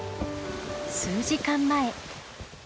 数時間前。